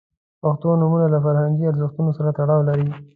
• پښتو نومونه له فرهنګي ارزښتونو سره تړاو لري.